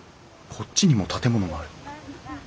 こっちにも建物がある。